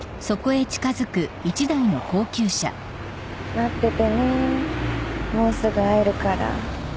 待っててねもうすぐ会えるから。